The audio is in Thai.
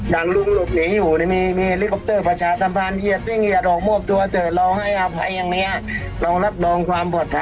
สังกัดอย่างนี้เราก็มันไม่รู้หรอกมีแต่หลบอย่างเดียว